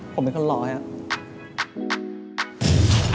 ผมเป็นคนร้อยครับ